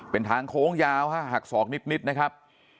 เป็นทางโค้งยาวหักศอกนิดนะครับ